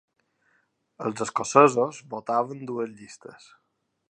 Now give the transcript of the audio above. Els escocesos votaven dues llistes.